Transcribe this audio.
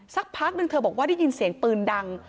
สักพักนึงเธอบอกว่าได้ยินเสียงปืนดัง